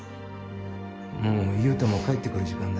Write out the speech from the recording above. もう優太も帰って来る時間だ。